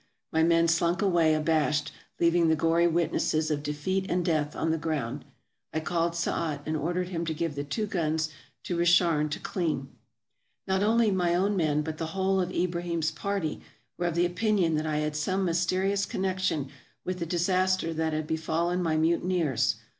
My men slunk away abashed, leaving the gory witnesses of de feat and death on the ground. I called Saat and ordered him to give the two guns to Richarn to clean. Not only my own men but the whole of Ibrahim's party were of the opinion that I had some mysterious connection with the disaster that had befallen my mutineers.